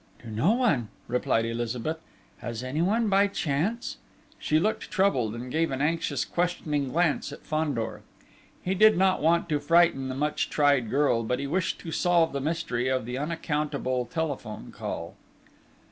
"To no one," replied Elizabeth. "Has anyone by chance?..." She looked troubled, and gave an anxious questioning glance at Fandor. He did not want to frighten the much tried girl, but he wished to solve the mystery of the unaccountable telephone call.